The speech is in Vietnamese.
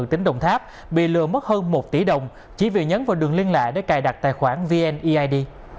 tp hcm bị lừa mất hơn một tỷ đồng chỉ vì nhấn vào đường liên lạ để cài đặt tài khoản vneid